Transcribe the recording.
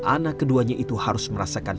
anak keduanya itu harus merasakan